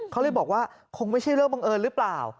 เขาเลยบอกว่าคงไม่ใช่เรื่องบังเอิญหรือเปล่า